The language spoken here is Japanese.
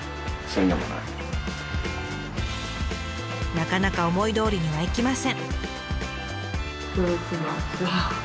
なかなか思いどおりにはいきません。